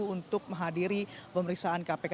untuk menghadiri pemeriksaan kpk